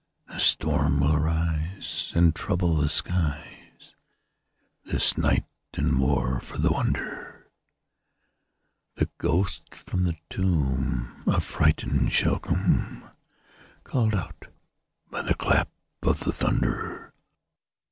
The storm will arise, And trouble the skies This night; and, more for the wonder, The ghost from the tomb Affrighted shall come, Call'd out by the clap of the thunder.